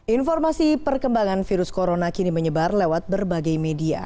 informasi perkembangan virus corona kini menyebar lewat berbagai media